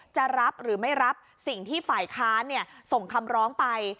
จะรับหรือไม่รับสิ่งที่ฝ่ายค้านส่งคำร้องไป